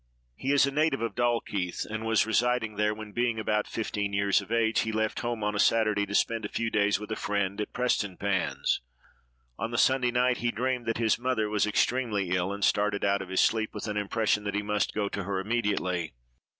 He is a native of Dalkeith, and was residing there, when, being about fifteen years of age, he left home on a Saturday, to spend a few days with a friend at Prestonpans. On the Sunday night he dreamed that his mother was extremely ill, and started out of his sleep with an impression that he must go to her immediately.